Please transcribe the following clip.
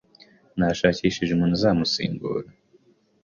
Nashakishije umuntu uzamusimbura.